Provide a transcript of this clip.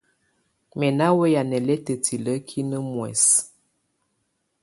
Mɛ̀ nà wɛ̂ya nɛlɛtɛ̀ tilǝ́kinǝ́ muɛsǝ.